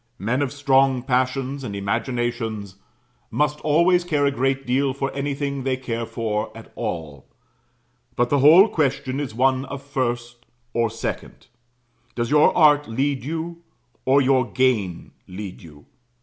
Men of strong passions and imaginations must always care a great deal for anything they care for at all; but the whole question is one of first or second. Does your art lead you, or your gain lead you?